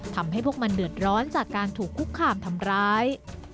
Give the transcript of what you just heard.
ทำให้พวกมันเดือดร้อนจากการถูกคุกคามทำร้าย